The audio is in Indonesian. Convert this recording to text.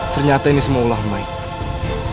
ternyata ini semua ulang mike